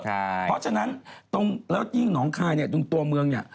เพราะฉะนั้นแล้วยิ่งหนองคายเนี่ยตรงตัวเมืองเนี่ย